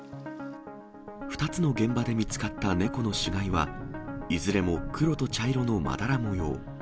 ２つの現場で見つかった猫の死骸は、いずれも黒と茶色のまだら模様。